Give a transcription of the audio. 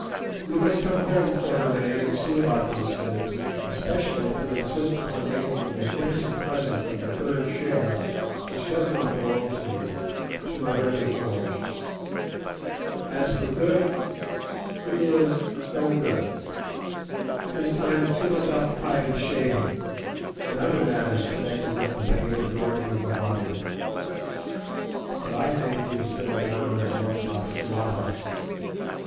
You must come home, Quatermain, and see about these things, especially if you insist upon making the magnificent present of the third share, which does not belong to me, to my brother George. As for Good, he is no good. His time is too much occupied in shaving, and other matters connected with the vain adorning of the body. But I think he is still down on his luck about Foulata.